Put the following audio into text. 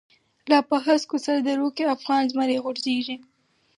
لاپه هسکوسردروکی، افغانی زمری غوریږی